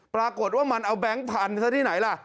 ปรากฏว่ามันเอาแบงค์พันธุ์ซะที่ไหนล่ะ